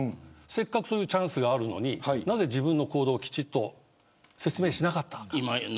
せっかくチャンスがあるのになぜ自分の行動をきちんと説明しなかったのか。